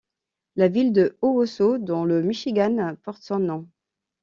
La ville de Owosso dans le Michigan porte son nom.